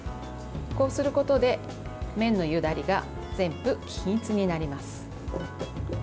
こうすることで麺のゆだりが全部均一になります。